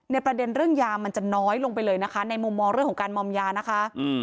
ประเด็นเรื่องยามันจะน้อยลงไปเลยนะคะในมุมมองเรื่องของการมอมยานะคะ